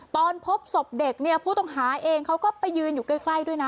ตอนพบศพเด็กเนี่ยผู้ต้องหาเองเขาก็ไปยืนอยู่ใกล้ด้วยนะ